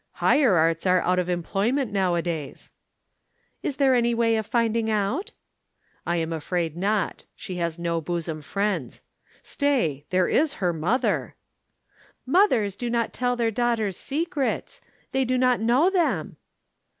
"Higher arts are out of employment nowadays." "Is there any way of finding out?" "I am afraid not. She has no bosom friends. Stay there is her mother!" "Mothers do not tell their daughters' secrets. They do not know them."